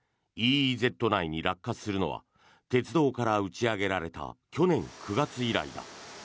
ＥＥＺ内に落下するのは鉄道から打ち上げられた去年９月以来だ。